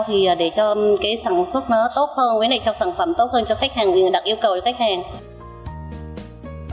thì để cho cái sản xuất nó tốt hơn cái này cho sản phẩm tốt hơn cho khách hàng đặt yêu cầu cho khách hàng